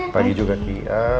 pagi juga ki